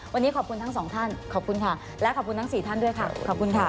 วันนี้ขอบคุณทั้งสองท่านขอบคุณค่ะและขอบคุณทั้ง๔ท่านด้วยค่ะขอบคุณค่ะ